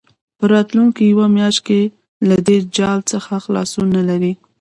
په راتلونکې یوه میاشت کې له دې جال څخه خلاصون نه لري.